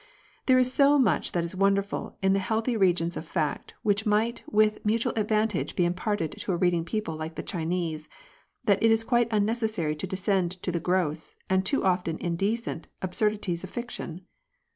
There is so much that is wonderful in the healthy regions of fact which might with mutual advantage be imparted to a reading people like the Chinese, that it is quite unnecessary to descend to the gross, and too often indecent, absurdities of fiction.